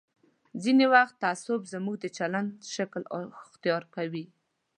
ځینې وخت تعصب زموږ د چلند شکل اختیار کوي.